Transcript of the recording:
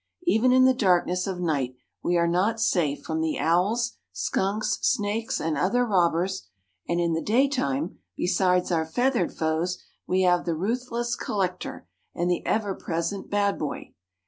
Even in the darkness of night we are not safe from the owls, skunks, snakes, and other robbers, and in the day time, besides our feathered foes, we have the ruthless 'collector,' and the ever present bad boy.